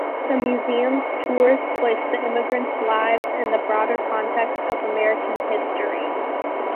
The museum's tours place the immigrants' lives in the broader context of American history.